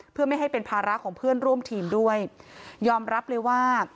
เพื่อไม่ให้เป็นภาระของเพื่อนร่วมทีมด้วยยอมรับเลยว่า